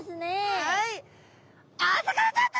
はい。